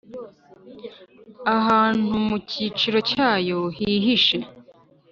ahantu mu gicucu cyayo hihishe;